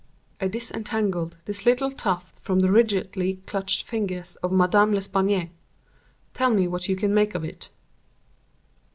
I disentangled this little tuft from the rigidly clutched fingers of Madame L'Espanaye. Tell me what you can make of it."